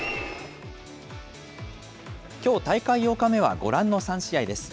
きょう、大会８日目はご覧の３試合です。